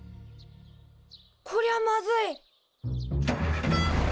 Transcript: ・こりゃまずい！